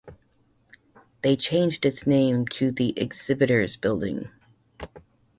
They changed its name to the Exhibitors Building.